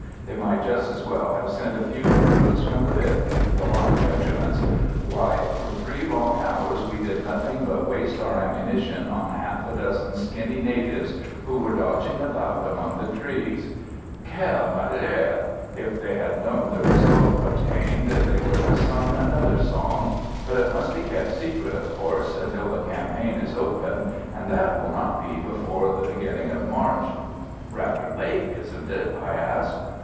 They might just as well have sent a few recruits from the biff (the line regiments). Why, for three long hours we did nothing but waste our ammunition on half a dozen skinny natives who were dodging about among the trees.' Quel malheur! If they had known the result obtained, they would have sung another song; but it must be kept secret, of course, until the campaign is opened, and that will not be before the beginning of March." "Rather late, isn't it?" I asked.